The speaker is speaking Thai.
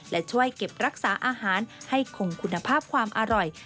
และช่วยเก็บรักษาอาหารให้คงคุณภาพความอร่อย